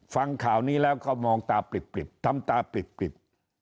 ฟังข่าวนี้แล้วก็มองตาปริบทำตาปริบ